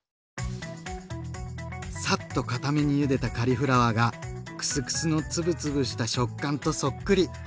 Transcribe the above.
サッとかためにゆでたカリフラワーがクスクスの粒々した食感とそっくり。